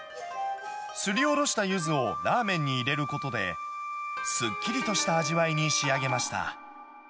すりおろしたユズをラーメンに入れることで、すっきりとした味わいに仕上げました。